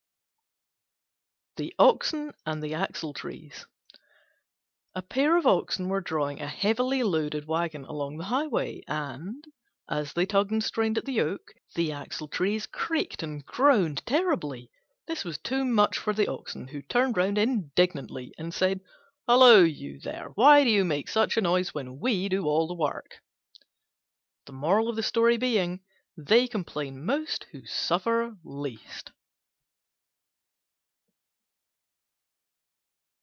THE OXEN AND THE AXLETREES A pair of Oxen were drawing a heavily loaded waggon along the highway, and, as they tugged and strained at the yoke, the Axletrees creaked and groaned terribly. This was too much for the Oxen, who turned round indignantly and said, "Hullo, you there! Why do you make such a noise when we do all the work?" They complain most who suffer least.